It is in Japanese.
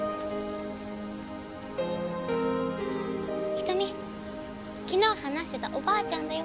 瞳昨日話してたおばあちゃんだよ。